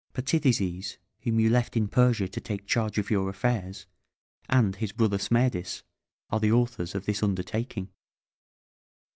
Patizithes, whom you left in Persia to take charge of your affairs and his brother Smerdis, are the authors of this undertaking."